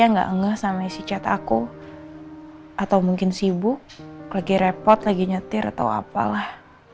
kayaknya gak ngeh sama isi chat aku atau mungkin sibuk lagi repot lagi nyetir atau apalah